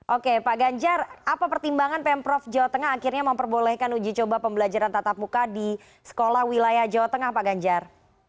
oke pak ganjar apa pertimbangan pemprov jawa tengah akhirnya memperbolehkan uji coba pembelajaran tatap muka di sekolah wilayah jawa tengah pak ganjar